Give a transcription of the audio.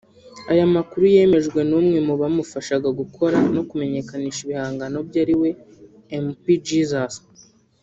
Aya Makuru yemejwe n’umwe mu bamufasha mu gukora no kumenyekanisha ibihangano bye ariwe Mp Jesus